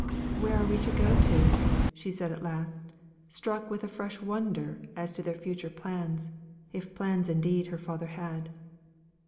"Where are we to go to?" said she at last, struck with a fresh wonder as to their future plans, if plans indeed her father had.